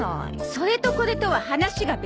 それとこれとは話が別！